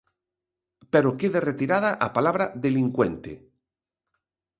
Pero queda retirada a palabra delincuente.